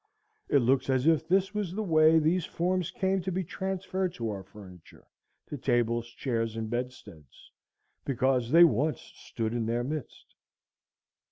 It looked as if this was the way these forms came to be transferred to our furniture, to tables, chairs, and bedsteads,—because they once stood in their midst.